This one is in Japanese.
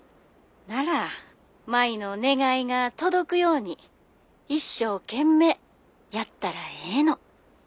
☎なら舞の願いが届くように一生懸命やったらええの。